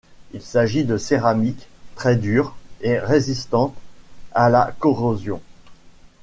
Il s'agit de céramiques très dures et résistantes à la corrosion.